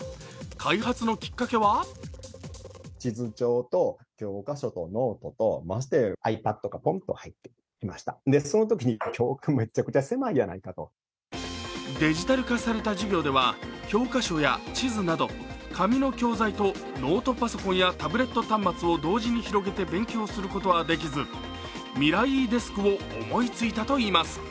開発のきっかけはデジタル化された授業では教科書や地図など紙の教材とノートパソコンやタブレット端末を同時に広げて勉強することはできず、ＭｉｒａＥ−Ｄｅｓｋを思いついたといいます。